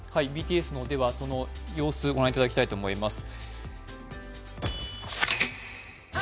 では、ＢＴＳの様子を御覧いただきたいと思います。